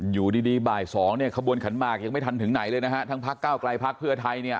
อยู่ดีดีบ่ายสองเนี่ยขบวนขันหมากยังไม่ทันถึงไหนเลยนะฮะทั้งพักเก้าไกลพักเพื่อไทยเนี่ย